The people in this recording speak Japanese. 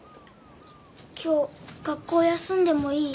今日学校休んでもいい？